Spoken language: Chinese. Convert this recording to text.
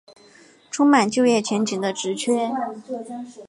充满就业前景的职缺